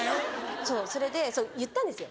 そうそれで言ったんですよ